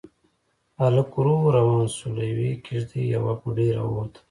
هلک ورو روان شو، له يوې کېږدۍ يوه بوډۍ راووته.